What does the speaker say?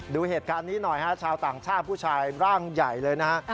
ดูเหตุการณ์นี้หน่อยฮะชาวต่างชาติผู้ชายร่างใหญ่เลยนะฮะ